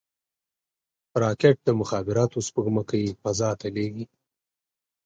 راکټ د مخابراتو سپوږمکۍ فضا ته لیږي